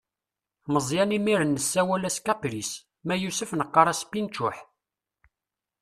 Meẓyan imir-n nessawal-as kapris, ma yusef neqqaṛ-as pinčuḥ.